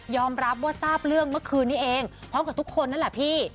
รับว่าทราบเรื่องเมื่อคืนนี้เองพร้อมกับทุกคนนั่นแหละพี่